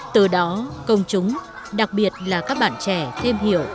từ đó công chúng đặc biệt là các bạn trẻ thêm hiểu